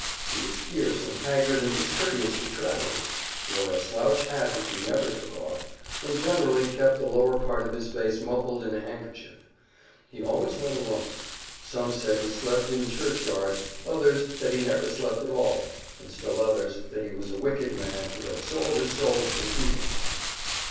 He was fierce and haggard and discourteous to travelers, wore a slouch hat which he never took off, and generally kept the lower part of his face muffled in a handkerchief. He always went alone. Some said he slept in church yards, others that he never slept at all, and still others that he was a wicked man who had sold his soul to the Evil One.